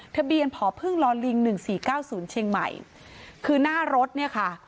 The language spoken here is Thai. ทะเบียนผอพึ่งลอลิงหนึ่งสี่เก้าศูนย์เชียงใหม่คือหน้ารถเนี่ยค่ะ